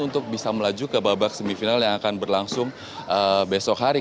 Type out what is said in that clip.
untuk bisa melaju ke babak semifinal yang akan berlangsung besok hari